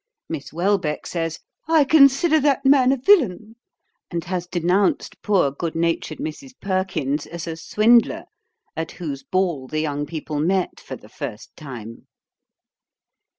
Miss Welbeck says, 'I consider that man a villain;' and has denounced poor good natured Mrs. Perkins as a swindler, at whose ball the young people met for the first time.